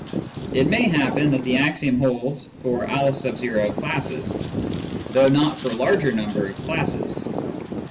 It may happen that the axiom holds for M classes, though not for larger numbers of classes.